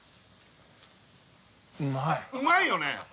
うまいよね！